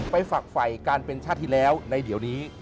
ฝักไฟการเป็นชาติที่แล้วในเดี๋ยวนี้